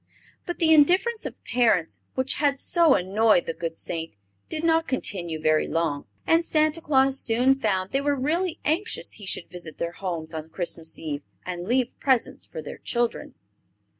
But the indifference of parents, which had so annoyed the good Saint, did not continue very long, and Santa Claus soon found they were really anxious he should visit their homes on Christmas Eve and leave presents for their children.